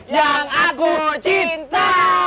yang aku cinta